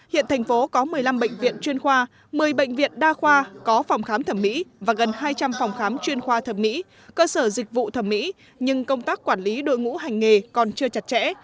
hiện thành phố có một mươi năm bệnh viện chuyên khoa một mươi bệnh viện đa khoa có phòng khám thẩm mỹ và gần hai trăm linh phòng khám chuyên khoa thẩm mỹ cơ sở dịch vụ thẩm mỹ nhưng công tác quản lý đội ngũ hành nghề còn chưa chặt chẽ